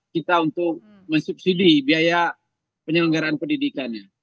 kita untuk mensubsidi biaya penyelenggaraan pendidikannya